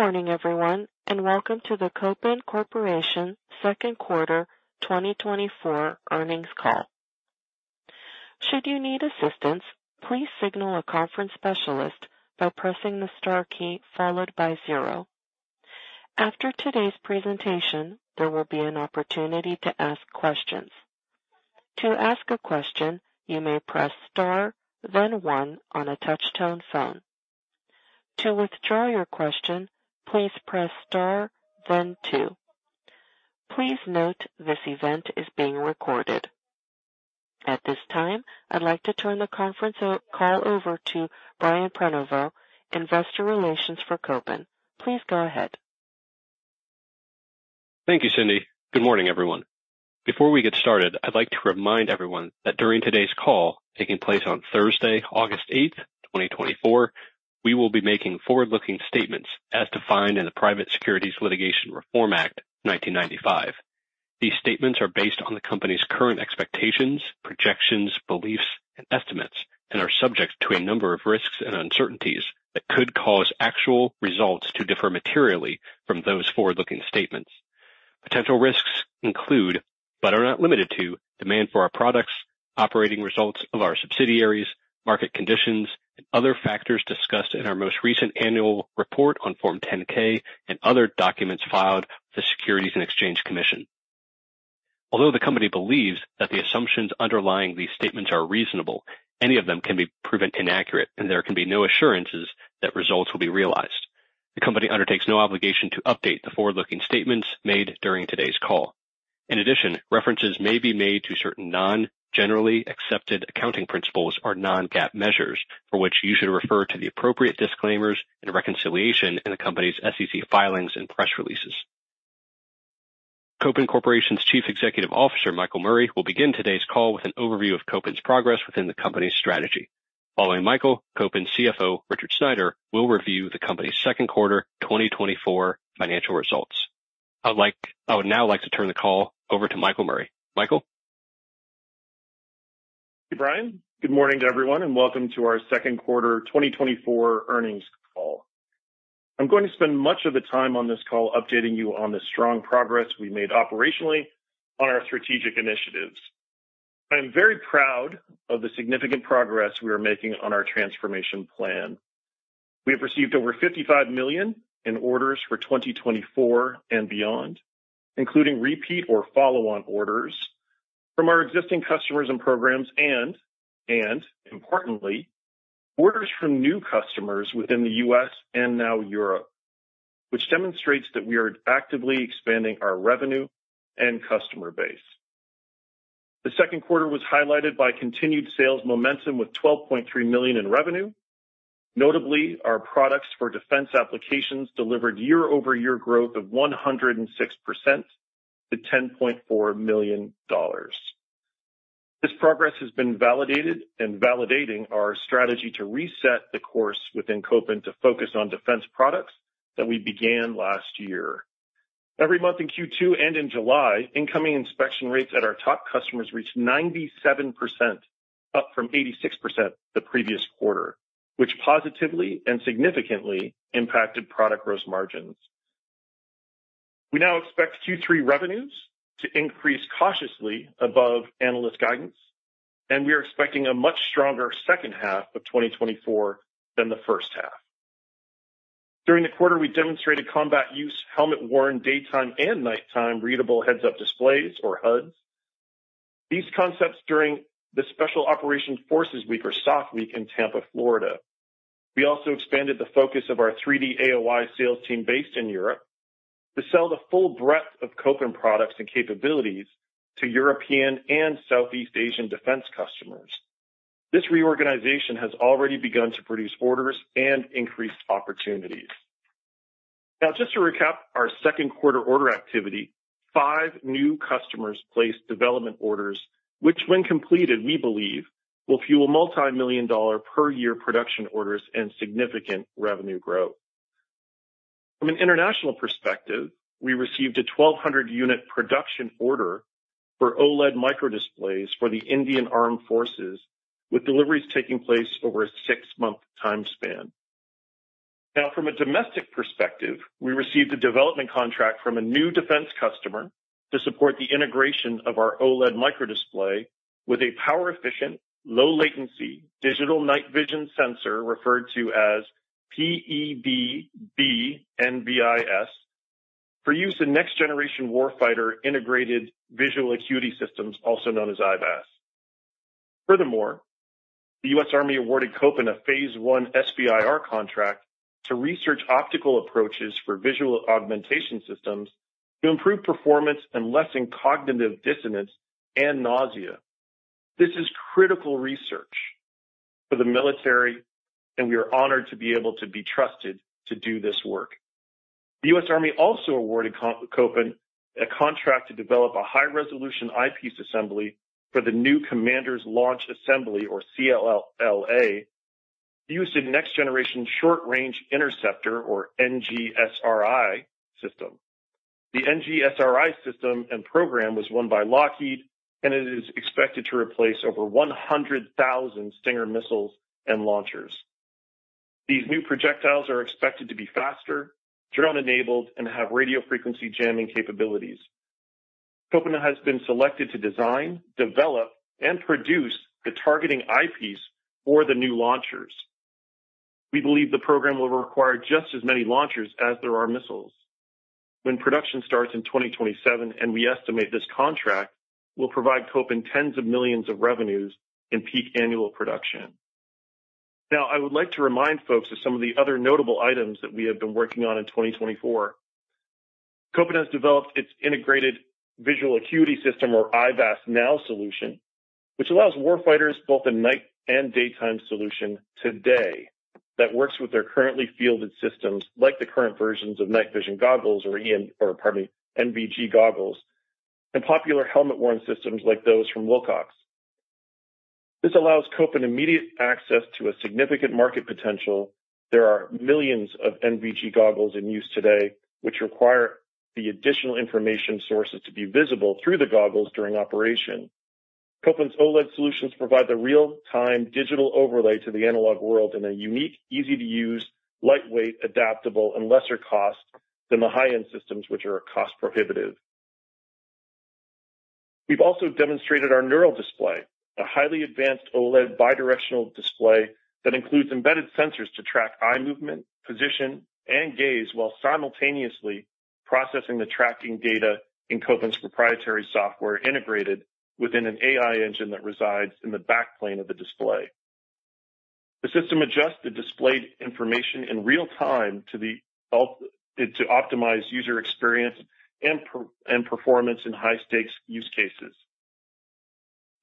Good morning, everyone, and welcome to the Kopin Corporation second quarter 2024 earnings call. Should you need assistance, please signal a conference specialist by pressing the star key followed by zero. After today's presentation, there will be an opportunity to ask questions. To ask a question, you may press Star, then One on a touchtone phone. To withdraw your question, please press Star, then Two. Please note this event is being recorded. At this time, I'd like to turn the conference call over to Brian Prenoveau, Investor Relations for Kopin Corporation. Please go ahead. Thank you, Cindy. Good morning, everyone. Before we get started, I'd like to remind everyone that during today's call, taking place on Thursday, August 8, 2024, we will be making forward-looking statements as defined in the Private Securities Litigation Reform Act, 1995. These statements are based on the company's current expectations, projections, beliefs, and estimates, and are subject to a number of risks and uncertainties that could cause actual results to differ materially from those forward-looking statements. Potential risks include, but are not limited to, demand for our products, operating results of our subsidiaries, market conditions, and other factors discussed in our most recent annual report on Form 10-K and other documents filed with the Securities and Exchange Commission. Although the company believes that the assumptions underlying these statements are reasonable, any of them can be proven inaccurate and there can be no assurances that results will be realized. The company undertakes no obligation to update the forward-looking statements made during today's call. In addition, references may be made to certain non-generally accepted accounting principles or non-GAAP measures, for which you should refer to the appropriate disclaimers and reconciliation in the company's SEC filings and press releases. Kopin Corporation's Chief Executive Officer, Michael Murray, will begin today's call with an overview of Kopin's progress within the company's strategy. Following Michael, Kopin's CFO, Richard Sneider, will review the company's second quarter 2024 financial results. I would now like to turn the call over to Michael Murray. Michael? Thank you, Brian. Good morning to everyone, and welcome to our second quarter 2024 earnings call. I'm going to spend much of the time on this call updating you on the strong progress we made operationally on our strategic initiatives. I am very proud of the significant progress we are making on our transformation plan. We have received over $55 million in orders for 2024 and beyond, including repeat or follow-on orders from our existing customers and programs and importantly, orders from new customers within the U.S. and now Europe, which demonstrates that we are actively expanding our revenue and customer base. The second quarter was highlighted by continued sales momentum with $12.3 million in revenue. Notably, our products for defense applications delivered year-over-year growth of 106% to $10.4 million. This progress has been validated and validating our strategy to reset the course within Kopin to focus on defense products that we began last year. Every month in Q2 and in July, incoming inspection rates at our top customers reached 97%, up from 86% the previous quarter, which positively and significantly impacted product gross margins. We now expect Q3 revenues to increase cautiously above analyst guidance, and we are expecting a much stronger second half of 2024 than the first half. During the quarter, we demonstrated combat use, helmet-worn, daytime and nighttime readable heads-up displays or HUDs. These concepts during the Special Operations Forces week or SOF Week in Tampa, Florida. We also expanded the focus of our 3D AOI sales team based in Europe, to sell the full breadth of Kopin products and capabilities to European and Southeast Asian defense customers. This reorganization has already begun to produce orders and increase opportunities. Now, just to recap our second quarter order activity, 5 new customers placed development orders, which when completed, we believe, will fuel multimillion dollar per year production orders and significant revenue growth. From an international perspective, we received a 1,200-unit production order for OLED microdisplays for the Indian Armed Forces, with deliveries taking place over a 6-month time span. Now, from a domestic perspective, we received a development contract from a new defense customer to support the integration of our OLED microdisplay with a power-efficient, low-latency digital night vision sensor, referred to as PED NVIS, for use in next generation warfighter integrated visual acuity systems, also known as IVAS. Furthermore, the U.S. Army awarded Kopin a Phase 1 SBIR contract to research optical approaches for visual augmentation systems to improve performance and lessen cognitive dissonance and nausea. This is critical research for the military, and we are honored to be able to be trusted to do this work. The U.S. Army also awarded Kopin a contract to develop a high-resolution eyepiece assembly for the new Commander's Launch Assembly, or CLA, used in Next Generation Short-Range Interceptor, or NGSRI system. The NGSRI system and program was won by Lockheed, and it is expected to replace over 100,000 Stinger missiles and launchers. These new projectiles are expected to be faster, drone-enabled, and have radio frequency jamming capabilities. Kopin has been selected to design, develop, and produce the targeting eyepiece for the new launchers. We believe the program will require just as many launchers as there are missiles. When production starts in 2027, and we estimate this contract will provide Kopin $10s of millions of revenues in peak annual production. Now, I would like to remind folks of some of the other notable items that we have been working on in 2024. Kopin has developed its Integrated Visual Augmentation System, or IVAS Now solution, which allows warfighters both a night and daytime solution today that works with their currently fielded systems, like the current versions of night vision goggles or pardon me, NVG goggles, and popular helmet-worn systems like those from Wilcox. This allows Kopin immediate access to a significant market potential. There are millions of NVG goggles in use today, which require the additional information sources to be visible through the goggles during operation. Kopin's OLED solutions provide the real-time digital overlay to the analog world in a unique, easy-to-use, lightweight, adaptable, and lesser cost than the high-end systems, which are cost-prohibitive. We've also demonstrated our Neural Display, a highly advanced OLED bidirectional display that includes embedded sensors to track eye movement, position, and gaze while simultaneously processing the tracking data in Kopin's proprietary software, integrated within an AI engine that resides in the back plane of the display. The system adjusts the displayed information in real time to optimize user experience and performance in high-stakes use cases.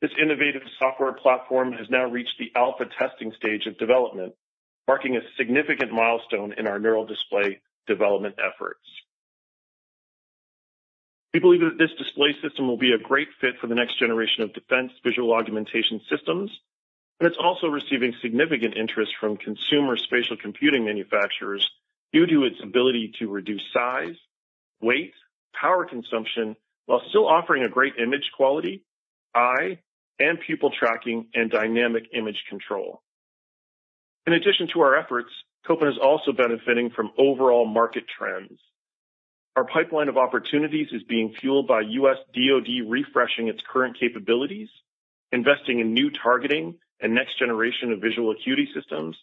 This innovative software platform has now reached the alpha testing stage of development, marking a significant milestone in our Neural Display development efforts. We believe that this display system will be a great fit for the next generation of defense visual augmentation systems, and it's also receiving significant interest from consumer spatial computing manufacturers due to its ability to reduce size, weight, power consumption, while still offering a great image quality, eye and pupil tracking, and dynamic image control. In addition to our efforts, Kopin is also benefiting from overall market trends. Our pipeline of opportunities is being fueled by U.S. DOD refreshing its current capabilities, investing in new targeting and next generation of visual acuity systems,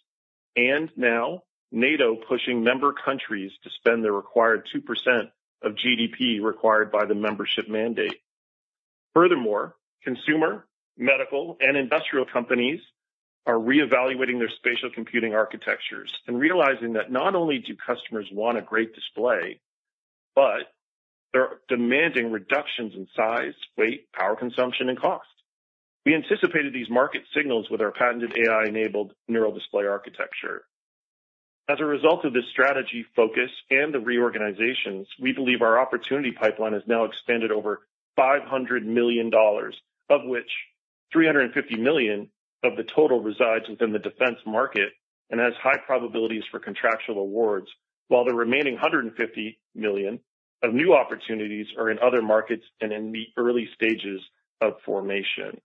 and now NATO pushing member countries to spend the required 2% of GDP required by the membership mandate. Furthermore, consumer, medical, and industrial companies are reevaluating their spatial computing architectures and realizing that not only do customers want a great display, but they're demanding reductions in size, weight, power, consumption, and cost. We anticipated these market signals with our patented AI-enabled Neural Display architecture. As a result of this strategy focus and the reorganizations, we believe our opportunity pipeline has now expanded over $500 million, of which $350 million of the total resides within the defense market and has high probabilities for contractual awards, while the remaining $150 million of new opportunities are in other markets and in the early stages of formation.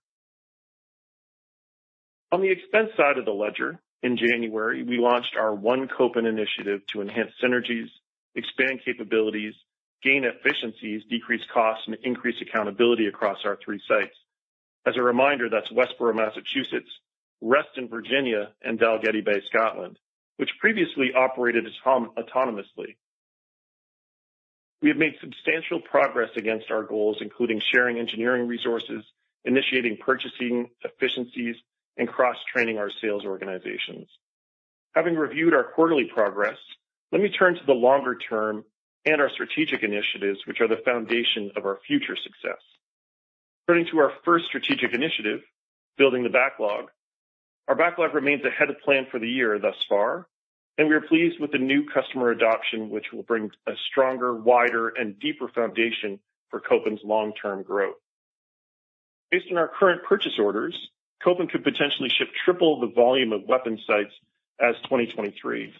On the expense side of the ledger, in January, we launched our One Kopin initiative to enhance synergies, expand capabilities, gain efficiencies, decrease costs, and increase accountability across our 3 sites. As a reminder, that's Westborough, Massachusetts, Reston, Virginia, and Dalgety Bay, Scotland, which previously operated as autonomously. We have made substantial progress against our goals, including sharing engineering resources, initiating purchasing efficiencies, and cross-training our sales organizations. Having reviewed our quarterly progress, let me turn to the longer term and our strategic initiatives, which are the foundation of our future success. Turning to our first strategic initiative, building the backlog. Our backlog remains ahead of plan for the year thus far, and we are pleased with the new customer adoption, which will bring a stronger, wider, and deeper foundation for Kopin's long-term growth. Based on our current purchase orders, Kopin could potentially ship triple the volume of weapon sights as 2023,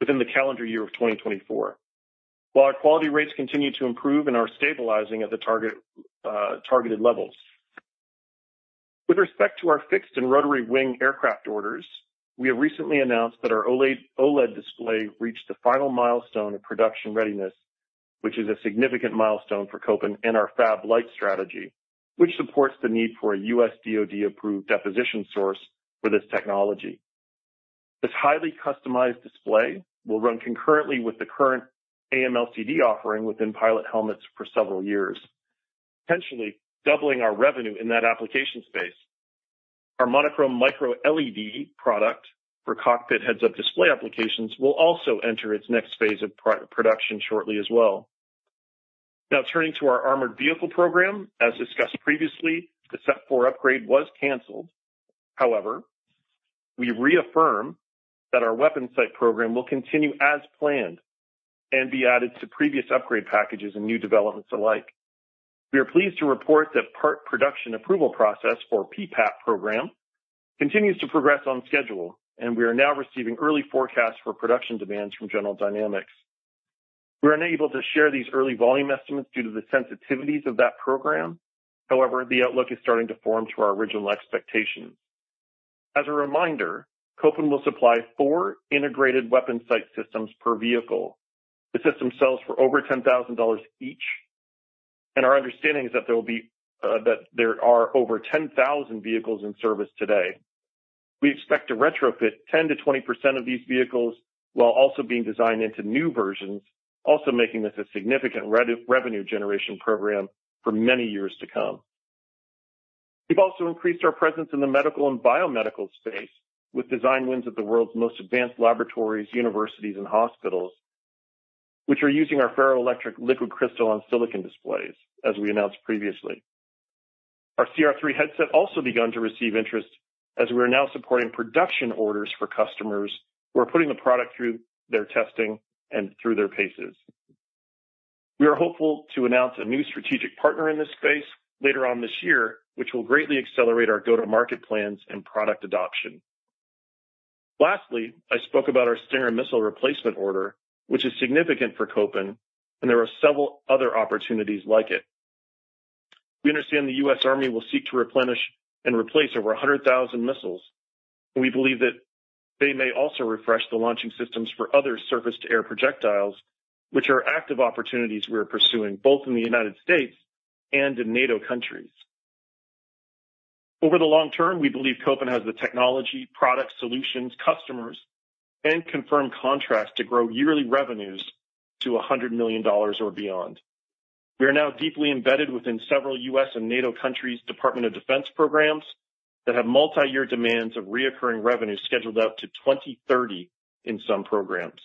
within the calendar year of 2024, while our quality rates continue to improve and are stabilizing at the target, targeted levels. With respect to our fixed and rotary wing aircraft orders, we have recently announced that our OLED display reached the final milestone of production readiness, which is a significant milestone for Kopin and our Fab light strategy, which supports the need for a U.S. DoD-approved deposition source for this technology. This highly customized display will run concurrently with the current AMLCD offering within pilot helmets for several years, potentially doubling our revenue in that application space. Our monochrome Micro LED product for cockpit heads-up display applications will also enter its next phase of production shortly as well. Now turning to our armored vehicle program. As discussed previously, the SEP 4 upgrade was canceled. However, we reaffirm that our weapon sight program will continue as planned and be added to previous upgrade packages and new developments alike. We are pleased to report that Part Production Approval Process, or PPAP program, continues to progress on schedule, and we are now receiving early forecasts for production demands from General Dynamics. We are unable to share these early volume estimates due to the sensitivities of that program. However, the outlook is starting to form to our original expectations. As a reminder, Kopin will supply 4 integrated weapon sight systems per vehicle. The system sells for over $10,000 each, and our understanding is that there will be, that there are over 10,000 vehicles in service today. We expect to retrofit 10%-20% of these vehicles, while also being designed into new versions, also making this a significant revenue generation program for many years to come. We've also increased our presence in the medical and biomedical space, with design wins at the world's most advanced laboratories, universities, and hospitals, which are using our ferroelectric liquid crystal on silicon displays, as we announced previously. Our CR3 headset also begun to receive interest as we are now supporting production orders for customers who are putting the product through their testing and through their paces. We are hopeful to announce a new strategic partner in this space later on this year, which will greatly accelerate our go-to-market plans and product adoption. Lastly, I spoke about our Stinger missile replacement order, which is significant for Kopin, and there are several other opportunities like it. We understand the U.S. Army will seek to replenish and replace over 100,000 missiles, and we believe that they may also refresh the launching systems for other surface-to-air projectiles, which are active opportunities we are pursuing, both in the United States and in NATO countries. Over the long term, we believe Kopin has the technology, product, solutions, customers, and confirmed contracts to grow yearly revenues to $100 million or beyond. We are now deeply embedded within several U.S. and NATO countries' Department of Defense programs that have multiyear demands of recurring revenues scheduled out to 2030 in some programs.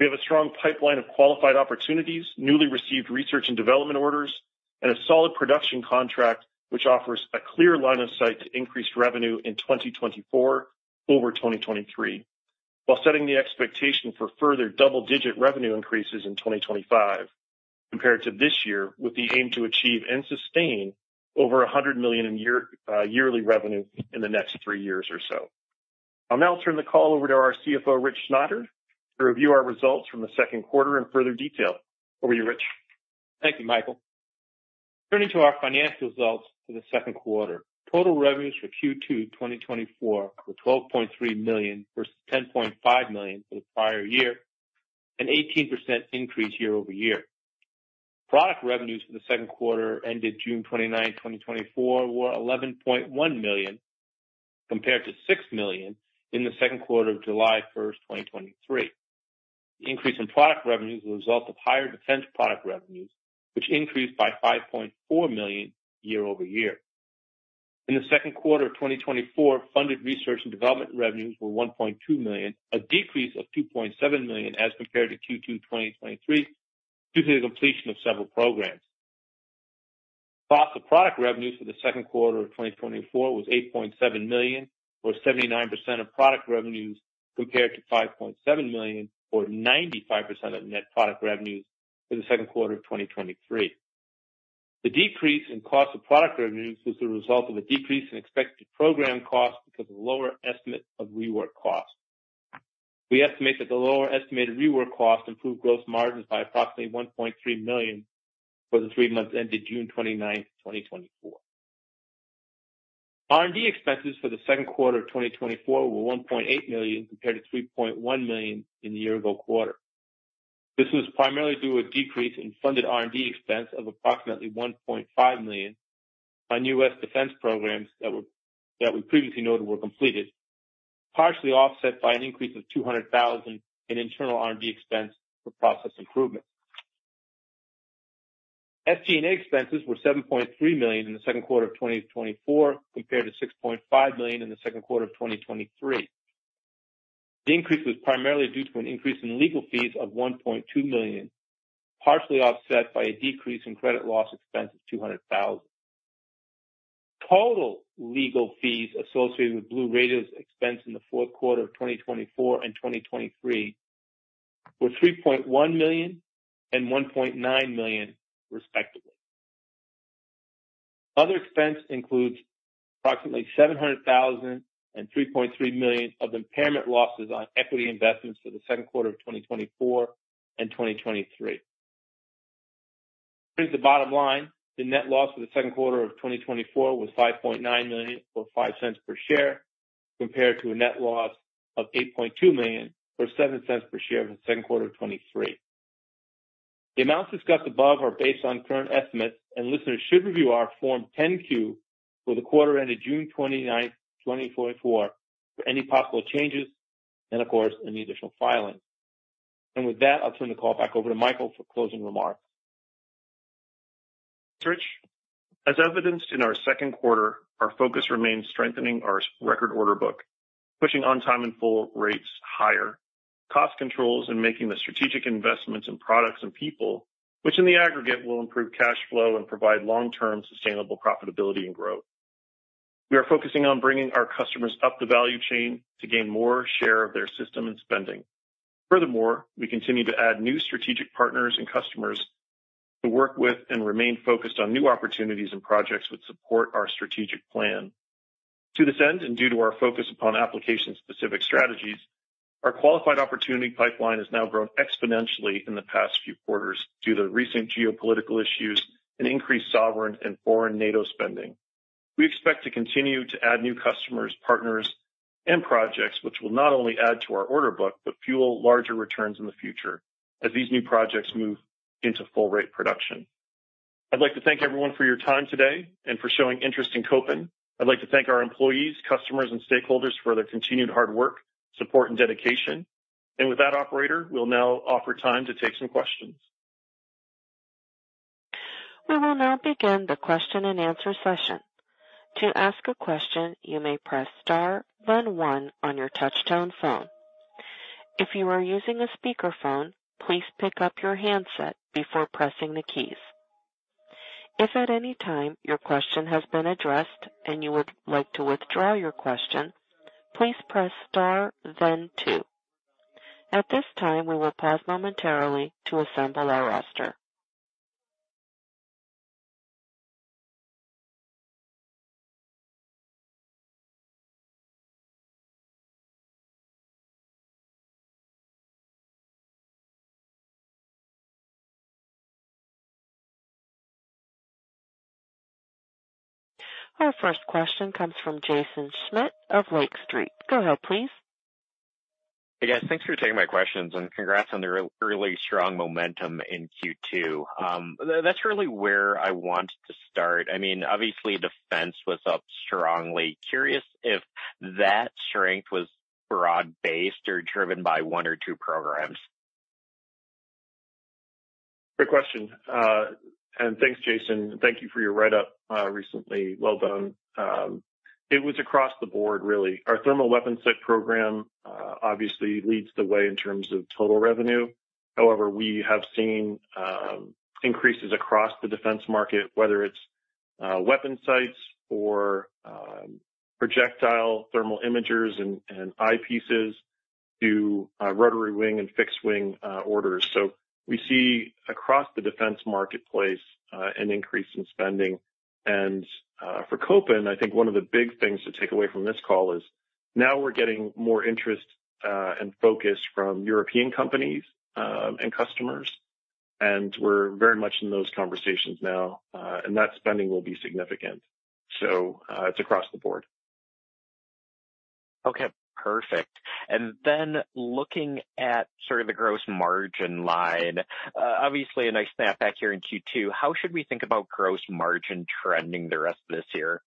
We have a strong pipeline of qualified opportunities, newly received research and development orders, and a solid production contract, which offers a clear line of sight to increased revenue in 2024 over 2023, while setting the expectation for further double-digit revenue increases in 2025 compared to this year, with the aim to achieve and sustain over $100 million yearly revenue in the next three years or so. I'll now turn the call over to our CFO, Rich Sneider, to review our results from the second quarter in further detail. Over to you, Rich. Thank you, Michael. Turning to our financial results for the second quarter. Total revenues for Q2 2024 were $12.3 million versus $10.5 million for the prior year, an 18% increase year-over-year. Product revenues for the second quarter ended June 29, 2024, were $11.1 million, compared to $6 million in the second quarter of July 1, 2023. The increase in product revenues was a result of higher defense product revenues, which increased by $5.4 million year-over-year. In the second quarter of 2024, funded research and development revenues were $1.2 million, a decrease of $2.7 million as compared to Q2 2023, due to the completion of several programs. Cost of product revenues for the second quarter of 2024 was $8.7 million, or 79% of product revenues, compared to $5.7 million, or 95% of net product revenues for the second quarter of 2023. The decrease in cost of product revenues was the result of a decrease in expected program costs because of a lower estimate of rework costs. We estimate that the lower estimated rework costs improved gross margins by approximately $1.3 million for the three months ended June 29, 2024. R&D expenses for the second quarter of 2024 were $1.8 million, compared to $3.1 million in the year-ago quarter. This was primarily due to a decrease in funded R&D expense of approximately $1.5 million on U.S. defense programs that we previously noted were completed, partially offset by an increase of $200,000 in internal R&D expense for process improvement. SG&A expenses were $7.3 million in the second quarter of 2024, compared to $6.5 million in the second quarter of 2023. The increase was primarily due to an increase in legal fees of $1.2 million, partially offset by a decrease in credit loss expense of $200,000. Total legal fees associated with BlueRadios' expense in the fourth quarter of 2024 and 2023 were $3.1 million and $1.9 million, respectively. Other expense includes approximately $700,000 and $3.3 million of impairment losses on equity investments for the second quarter of 2024 and 2023. Bring the bottom line, the net loss for the second quarter of 2024 was $5.9 million, or $0.05 per share, compared to a net loss of $8.2 million, or $0.07 per share for the second quarter of 2023. The amounts discussed above are based on current estimates, and listeners should review our Form 10-Q for the quarter ended June 29, 2024, for any possible changes and of course, any additional filings. With that, I'll turn the call back over to Michael for closing remarks. As evidenced in our second quarter, our focus remains strengthening our record order book, pushing on-time and full rates higher, cost controls, and making the strategic investments in products and people, which in the aggregate will improve cash flow and provide long-term sustainable profitability and growth. We are focusing on bringing our customers up the value chain to gain more share of their system and spending. Furthermore, we continue to add new strategic partners and customers to work with and remain focused on new opportunities and projects which support our strategic plan. To this end, and due to our focus upon application-specific strategies, our qualified opportunity pipeline has now grown exponentially in the past few quarters due to recent geopolitical issues and increased sovereign and foreign NATO spending. We expect to continue to add new customers, partners, and projects, which will not only add to our order book, but fuel larger returns in the future as these new projects move into full rate production. I'd like to thank everyone for your time today and for showing interest in Kopin. I'd like to thank our employees, customers, and stakeholders for their continued hard work, support, and dedication. With that, operator, we'll now offer time to take some questions. We will now begin the question-and-answer session. To ask a question, you may press star, then one on your touchtone phone. If you are using a speakerphone, please pick up your handset before pressing the keys. If at any time your question has been addressed and you would like to withdraw your question, please press star, then two. At this time, we will pause momentarily to assemble our roster. Our first question comes from Jaeson Schmidt of Lake Street. Go ahead, please. Hey, guys, thanks for taking my questions, and congrats on the really strong momentum in Q2. That's really where I want to start. I mean, obviously, defense was up strongly. Curious if that strength was broad-based or driven by one or two programs? Great question. And thanks, Jaeson. Thank you for your write-up, recently. Well done. It was across the board, really. Our thermal weapon sight program, obviously leads the way in terms of total revenue. However, we have seen, increases across the defense market, whether it's, weapon sights or, projectile thermal imagers and, and eyepieces to, rotary wing and fixed wing, orders. We see across the defense marketplace, an increase in spending. For Kopin, I think one of the big things to take away from this call is now we're getting more interest, and focus from European companies, and customers, and we're very much in those conversations now. And that spending will be significant. It's across the board. Okay, perfect. And then looking at sort of the gross margin line, obviously a nice snapback here in Q2. How should we think about gross margin trending the rest of this year?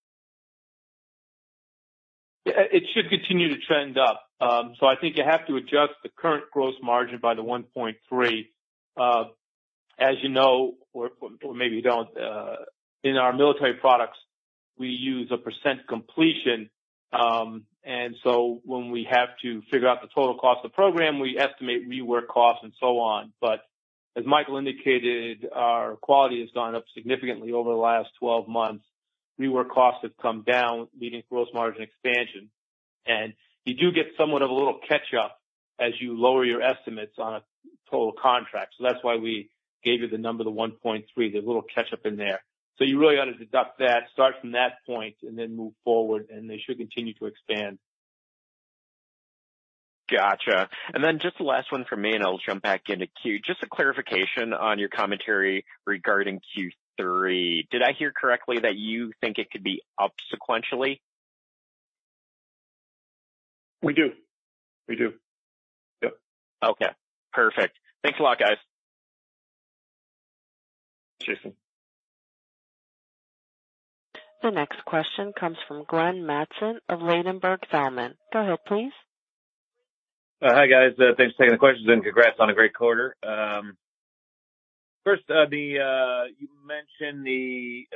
It should continue to trend up. So I think you have to adjust the current gross margin by the 1.3. As you know, or, or maybe you don't, in our military products, we use a percent completion. And so when we have to figure out the total cost of the program, we estimate rework costs and so on. But as Michael indicated, our quality has gone up significantly over the last 12 months. Rework costs have come down, leading to gross margin expansion, and you do get somewhat of a little catch-up as you lower your estimates on a total contract. So that's why we gave you the number, the 1.3, there's a little catch-up in there. So you really ought to deduct that, start from that point, and then move forward, and they should continue to expand. Gotcha. And then just the last one from me, and I'll jump back into queue. Just a clarification on your commentary regarding Q3. Did I hear correctly that you think it could be up sequentially? We do. We do. Yep. Okay, perfect. Thanks a lot, guys. Jason. The next question comes from Glenn Mattson of Ladenburg Thalmann. Go ahead, please. Hi, guys. Thanks for taking the questions, and congrats on a great quarter. First, you mentioned the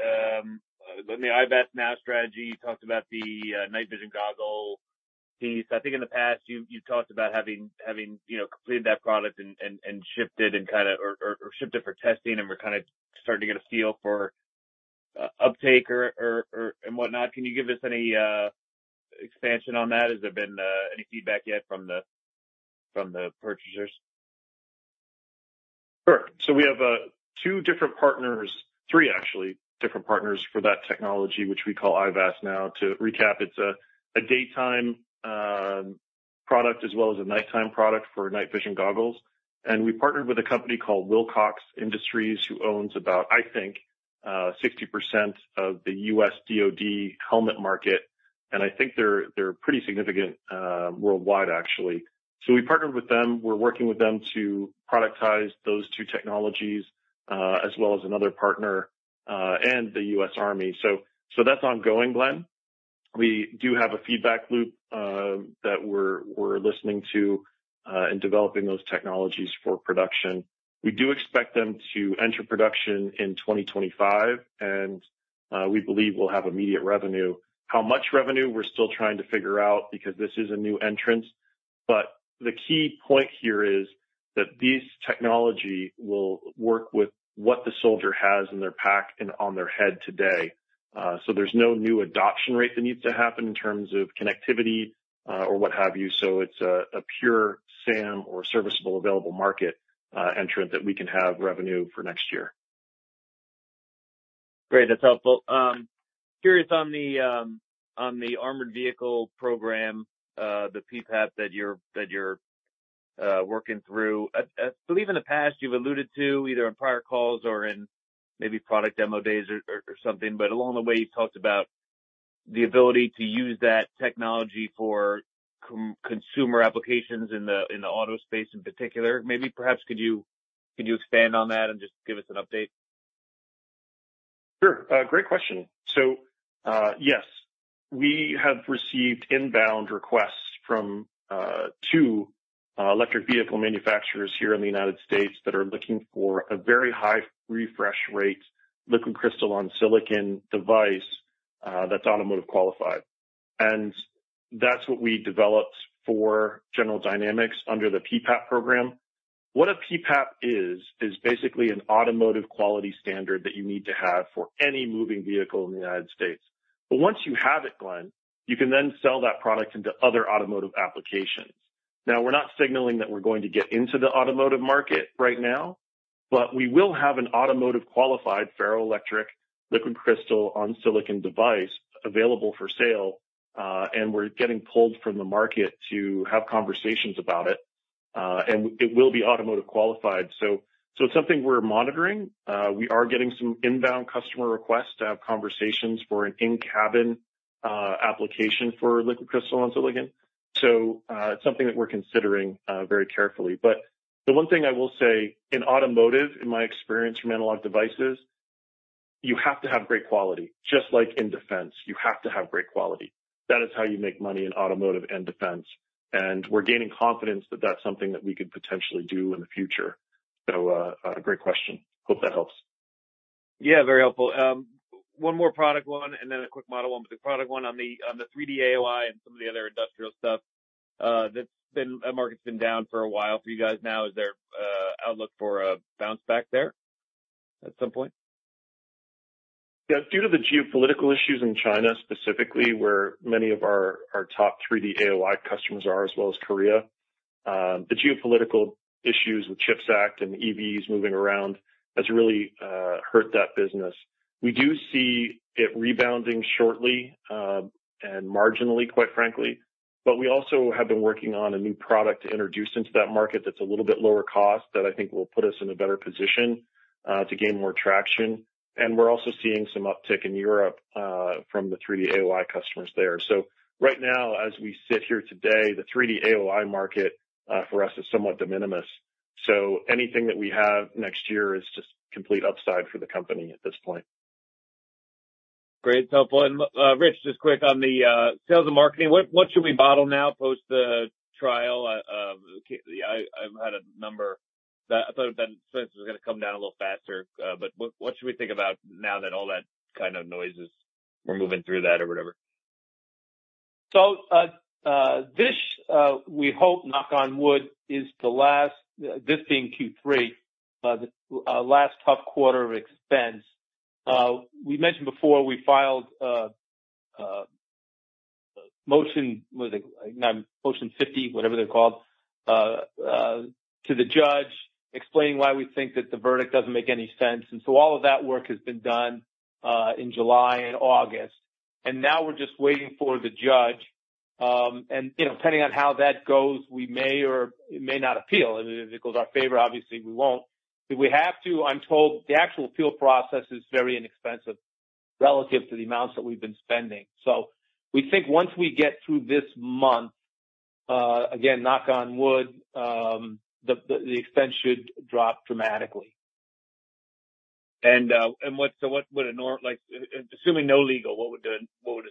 IVAS Now strategy. You talked about the night vision goggle piece. I think in the past, you talked about having, you know, completed that product and shipped it and kind of shipped it for testing, and we're kind of starting to get a feel for uptake or and whatnot. Can you give us any expansion on that? Has there been any feedback yet from the purchasers? Sure. So we have two different partners, three actually, different partners for that technology, which we call IVAS Now. To recap, it's a daytime product as well as a nighttime product for night vision goggles. And we partnered with a company called Wilcox Industries, who owns about, I think, 60% of the U.S. DoD helmet market, and I think they're pretty significant worldwide, actually. So we partnered with them. We're working with them to productize those two technologies as well as another partner and the U.S. Army. So that's ongoing, Glenn. We do have a feedback loop that we're listening to in developing those technologies for production. We do expect them to enter production in 2025, and we believe we'll have immediate revenue. How much revenue? We're still trying to figure out, because this is a new entrant. But the key point here is that this technology will work with what the soldier has in their pack and on their head today. So there's no new adoption rate that needs to happen in terms of connectivity, or what have you. So it's a pure SAM, or serviceable available market, entrant that we can have revenue for next year. Great. That's helpful. Curious on the armored vehicle program, the PPAP that you're working through. I believe in the past, you've alluded to, either on prior calls or in maybe product demo days or something, but along the way, you talked about the ability to use that technology for consumer applications in the auto space, in particular. Maybe perhaps could you expand on that and just give us an update? Sure. Great question. So, yes, we have received inbound requests from two electric vehicle manufacturers here in the United States that are looking for a very high refresh rate, liquid crystal on silicon device that's automotive qualified. And that's what we developed for General Dynamics under the PPAP program. What a PPAP is, is basically an automotive quality standard that you need to have for any moving vehicle in the United States. But once you have it, Glenn, you can then sell that product into other automotive applications. Now, we're not signaling that we're going to get into the automotive market right now, but we will have an automotive qualified ferroelectric liquid crystal on silicon device available for sale, and we're getting pulled from the market to have conversations about it, and it will be automotive qualified. So, so it's something we're monitoring. We are getting some inbound customer requests to have conversations for an in-cabin application for liquid crystal on silicon. So, it's something that we're considering very carefully. But the one thing I will say, in automotive, in my experience from Analog Devices, you have to have great quality. Just like in defense, you have to have great quality. That is how you make money in automotive and defense, and we're gaining confidence that that's something that we could potentially do in the future. So, great question. Hope that helps. Yeah, very helpful. One more product one, and then a quick model one. But the product one on the, on the 3D AOI and some of the other industrial stuff, that's been... That market's been down for a while for you guys now. Is there outlook for a bounce back there at some point? Yeah. Due to the geopolitical issues in China, specifically, where many of our top 3D AOI customers are, as well as Korea, the geopolitical issues with CHIPS Act and EVs moving around has really hurt that business. We do see it rebounding shortly and marginally, quite frankly, but we also have been working on a new product to introduce into that market that's a little bit lower cost, that I think will put us in a better position to gain more traction. And we're also seeing some uptick in Europe from the 3D AOI customers there. So right now, as we sit here today, the 3D AOI market for us is somewhat de minimis. So anything that we have next year is just complete upside for the company at this point. Great. Helpful. And, Rich, just quick on the sales and marketing. What, what should we model now post the trial? I've had a number that I thought was gonna come down a little faster, but what, what should we think about now that all that kind of noise is, we're moving through that or whatever? So, we hope, knock on wood, this is the last, this being Q3, the last tough quarter of expense. We mentioned before we filed motion, was it... Motion fifty, whatever they're called, to the judge, explaining why we think that the verdict doesn't make any sense. So all of that work has been done in July and August, and now we're just waiting for the judge. And, you know, depending on how that goes, we may or may not appeal. And if it goes our favor, obviously we won't. If we have to, I'm told the actual appeal process is very inexpensive relative to the amounts that we've been spending. So we think once we get through this month, again, knock on wood, the expense should drop dramatically. So what would a normal, like, assuming no legal, what would a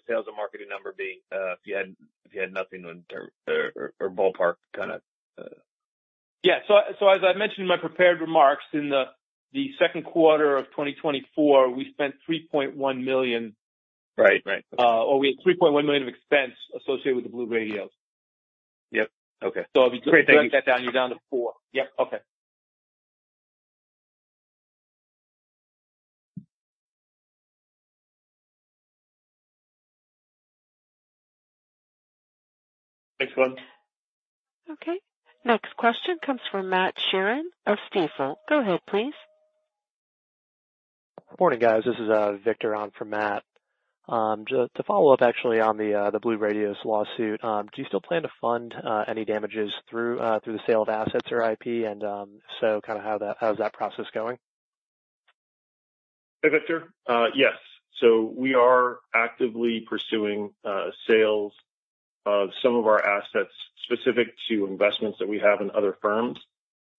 sales and marketing number be if you had nothing on, or ballpark kind of? Yeah. So, as I mentioned in my prepared remarks, in the second quarter of 2024, we spent $3.1 million. Right. Right. or we had $3.1 million of expense associated with the BlueRadios. Yep. Okay. If you take that down, you're down to four. Yep. Okay. Thanks, Glenn. Okay. Next question comes from Matt Sheerin of Stifel. Go ahead, please. Morning, guys. This is, Victor on for Matt. Just to follow up actually on the BlueRadios lawsuit, do you still plan to fund any damages through the sale of assets or IP? And, so kind of how is that process going? Hey, Victor. Yes. So we are actively pursuing sales of some of our assets specific to investments that we have in other firms.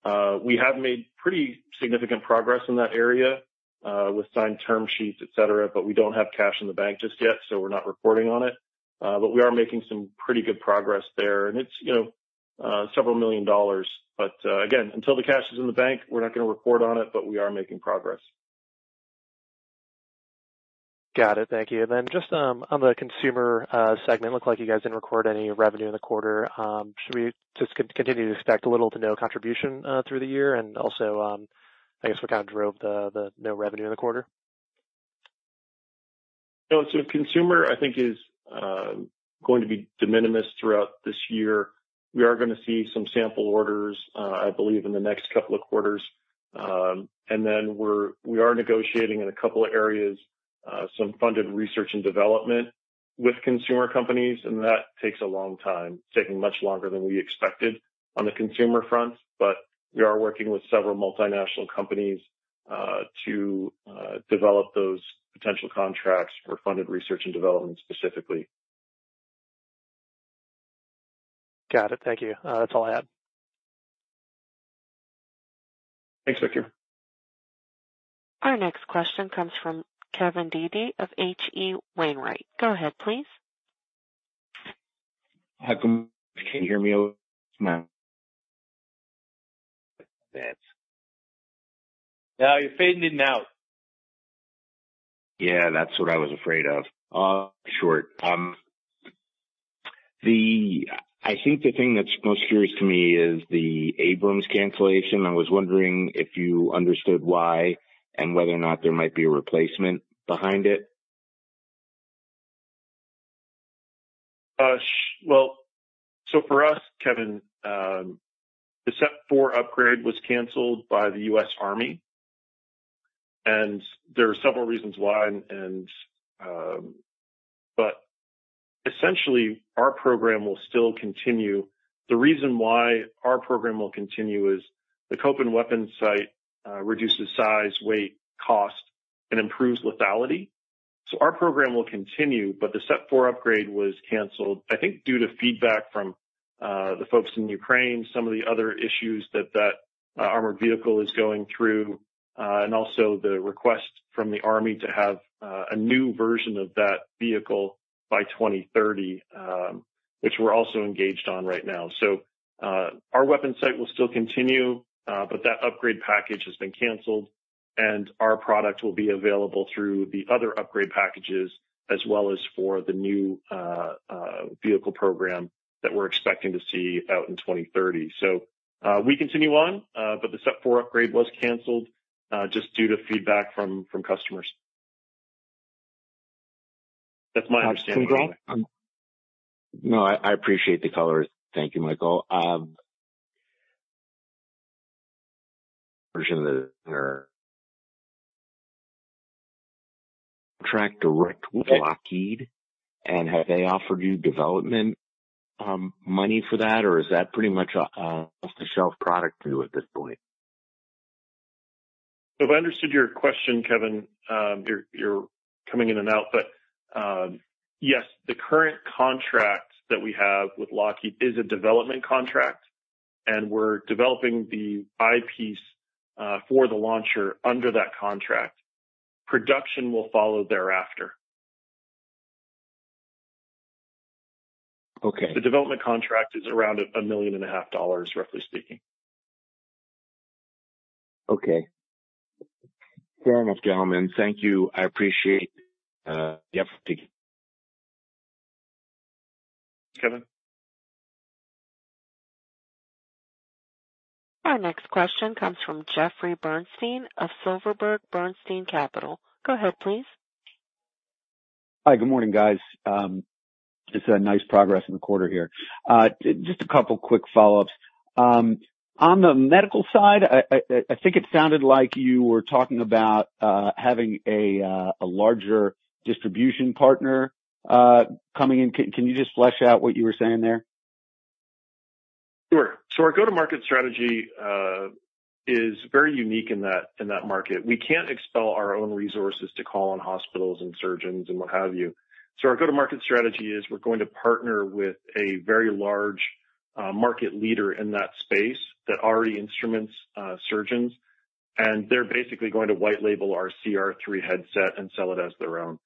We have made pretty significant progress in that area with signed term sheets, et cetera, but we don't have cash in the bank just yet, so we're not reporting on it. But we are making some pretty good progress there, and it's, you know, $several million. But, again, until the cash is in the bank, we're not gonna report on it, but we are making progress. Got it. Thank you. And then just on the consumer segment, looked like you guys didn't record any revenue in the quarter. Should we just continue to expect little to no contribution through the year? And also, I guess, what kind of drove the no revenue in the quarter? No, so consumer, I think, is going to be de minimis throughout this year. We are gonna see some sample orders, I believe, in the next couple of quarters. And then we are negotiating in a couple of areas, some funded research and development with consumer companies, and that takes a long time. It's taking much longer than we expected on the consumer front, but we are working with several multinational companies to develop those potential contracts for funded research and development, specifically. Got it. Thank you. That's all I have. Thanks, Victor. Our next question comes from Kevin Dede of H.C. Wainwright. Go ahead, please. Hi, good -- Can you hear me, okay? No. Yeah, you're fading in and out. Yeah, that's what I was afraid of. Short. I think the thing that's most curious to me is the Abrams cancellation. I was wondering if you understood why, and whether or not there might be a replacement behind it. Well, so for us, Kevin, the SEP 4 upgrade was canceled by the U.S. Army, and there are several reasons why, and, but essentially, our program will still continue. The reason why our program will continue is the Kopin weapons sight reduces size, weight, cost, and improves lethality. So our program will continue, but the SEP 4 upgrade was canceled, I think, due to feedback from the folks in Ukraine, some of the other issues that armored vehicle is going through, and also the request from the army to have a new version of that vehicle by 2030, which we're also engaged on right now. So, our weapons sight will still continue, but that upgrade package has been canceled, and our product will be available through the other upgrade packages, as well as for the new vehicle program that we're expecting to see out in 2030. So, we continue on, but the SEP 4 upgrade was canceled, just due to feedback from customers. That's my understanding. No, I appreciate the color. Thank you, Michael. Portion of the contract direct with Lockheed, and have they offered you development money for that, or is that pretty much a off-the-shelf product to you at this point? If I understood your question, Kevin, you're coming in and out, but, yes, the current contract that we have with Lockheed is a development contract, and we're developing the eye piece for the launcher under that contract. Production will follow thereafter. Okay. The development contract is around $1.5 million, roughly speaking. Okay. Gentlemen, thank you. I appreciate the opportunity. Kevin? Our next question comes from Jeffrey Bernstein of Silverberg Bernstein Capital. Go ahead, please. Hi, good morning, guys. It's a nice progress in the quarter here. Just a couple quick follow-ups. On the medical side, I think it sounded like you were talking about having a larger distribution partner coming in. Can you just flesh out what you were saying there? Sure. So our go-to-market strategy is very unique in that, in that market. We can't expend our own resources to call on hospitals and surgeons and what have you. So our go-to-market strategy is we're going to partner with a very large, market leader in that space that already instruments, surgeons, and they're basically going to white label our CR3 headset and sell it as their own.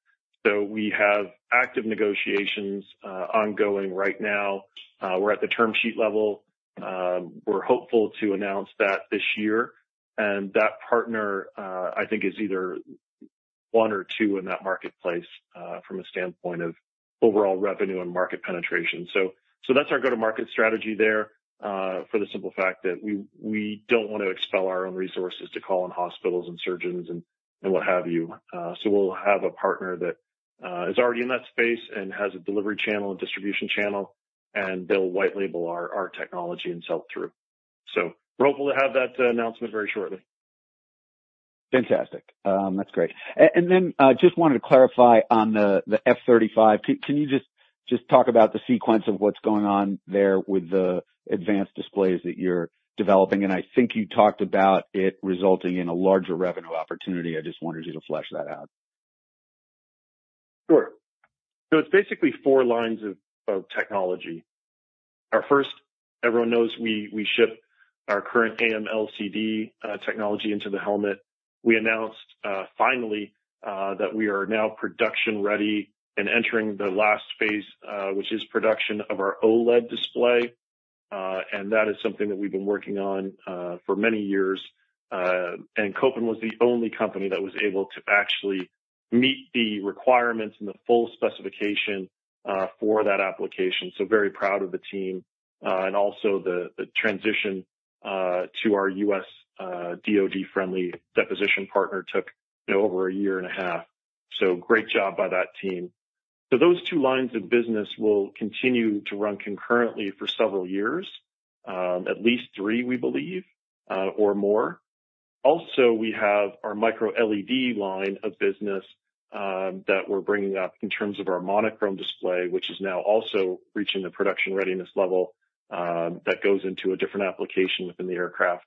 So we have active negotiations, ongoing right now. We're at the term sheet level. We're hopeful to announce that this year. And that partner, I think is either one or two in that marketplace, from a standpoint of overall revenue and market penetration. So that's our go-to-market strategy there, for the simple fact that we don't want to expel our own resources to call on hospitals and surgeons and what have you. So we'll have a partner that is already in that space and has a delivery channel and distribution channel, and they'll white label our technology and sell through. So we're hopeful to have that announcement very shortly. Fantastic. That's great. And then, I just wanted to clarify on the F-35. Can you just talk about the sequence of what's going on there with the advanced displays that you're developing? And I think you talked about it resulting in a larger revenue opportunity. I just wanted you to flesh that out. Sure. So it's basically four lines of technology. Our first, everyone knows we ship our current AMLCD technology into the helmet. We announced finally that we are now production ready and entering the last phase, which is production of our OLED display, and that is something that we've been working on for many years. And Kopin was the only company that was able to actually meet the requirements and the full specification for that application, so very proud of the team. And also the transition to our U.S. DoD-friendly deposition partner took, you know, over a year and a half, so great job by that team. So those two lines of business will continue to run concurrently for several years, at least three, we believe, or more. Also, we have our micro-LED line of business that we're bringing up in terms of our monochrome display, which is now also reaching the production readiness level that goes into a different application within the aircraft.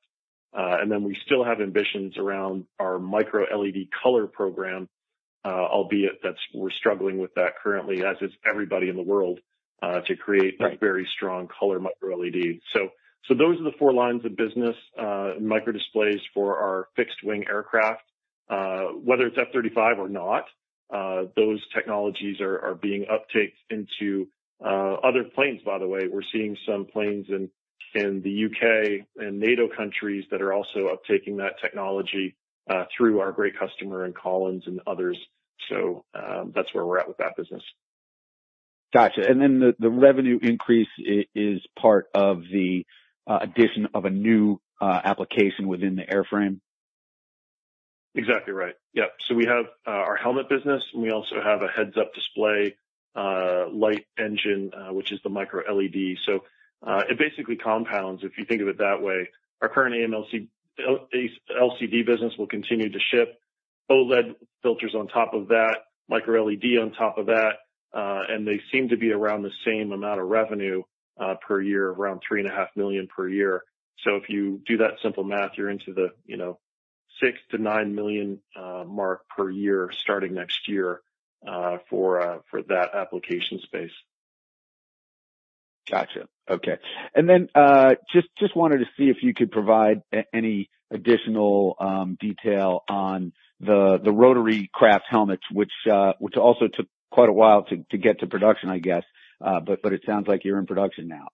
And then we still have ambitions around our micro-LED color program, albeit we're struggling with that currently, as is everybody in the world, to create- Right. a very strong color micro-LED. So, so those are the four lines of business, micro-displays for our fixed-wing aircraft. Whether it's F-35 or not, those technologies are being uptaked into other planes, by the way. We're seeing some planes in the U.K. and NATO countries that are also uptaking that technology through our great customer and Collins and others. So, that's where we're at with that business. Gotcha. And then the revenue increase is part of the addition of a new application within the airframe? Exactly right. Yep. So we have our helmet business, and we also have a heads-up display light engine, which is the micro-LED. So it basically compounds, if you think of it that way. Our current AMLCD business will continue to ship OLED filters on top of that, micro-LED on top of that, and they seem to be around the same amount of revenue per year, around $3.5 million per year. So if you do that simple math, you're into the, you know, $6 million-$9 million mark per year, starting next year, for that application space. Gotcha. Okay. And then, just, just wanted to see if you could provide any additional detail on the rotary craft helmets, which, which also took quite a while to get to production, I guess. But, it sounds like you're in production now.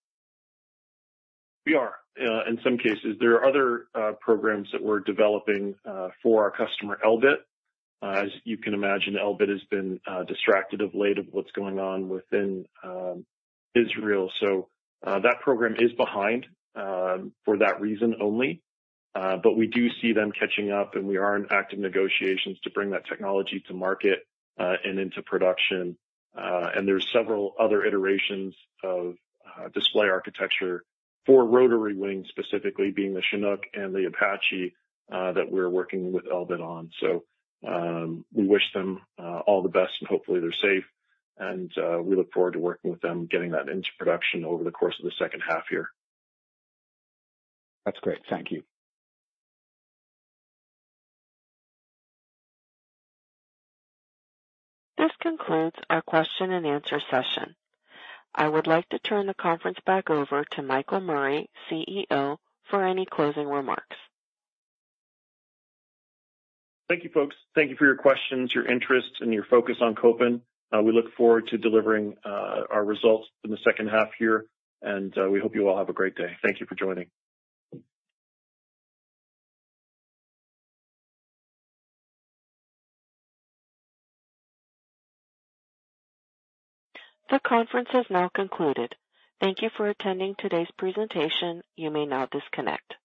We are in some cases. There are other programs that we're developing for our customer, Elbit. As you can imagine, Elbit has been distracted of late of what's going on within Israel. So that program is behind for that reason only. But we do see them catching up, and we are in active negotiations to bring that technology to market and into production. And there's several other iterations of display architecture for rotary wing, specifically, being the Chinook and the Apache that we're working with Elbit on. So we wish them all the best, and hopefully they're safe, and we look forward to working with them, getting that into production over the course of the second half year. That's great. Thank you. This concludes our question and answer session. I would like to turn the conference back over to Michael Murray, CEO, for any closing remarks. Thank you, folks. Thank you for your questions, your interest, and your focus on Kopin. We look forward to delivering our results in the second half here, and we hope you all have a great day. Thank you for joining. The conference has now concluded. Thank you for attending today's presentation. You may now disconnect.